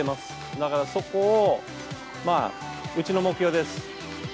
だから、そこを、うちの目標です。